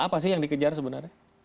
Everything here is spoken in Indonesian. apa sih yang dikejar sebenarnya